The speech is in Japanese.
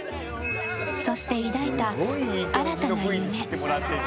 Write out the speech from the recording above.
そして抱いた新たな夢。